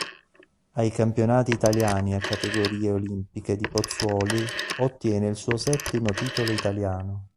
Ai Campionati Italiani a categorie olimpiche di Pozzuoli ottiene il suo settimo titolo italiano.